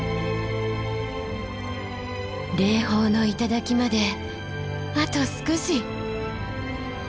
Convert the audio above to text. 霊峰の頂まであと少し！